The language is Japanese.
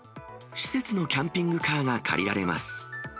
施設のキャンピングカーが借りられます。